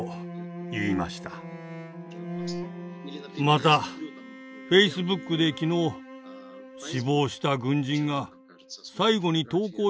またフェイスブックで昨日死亡した軍人が最後に投稿した写真を見ました。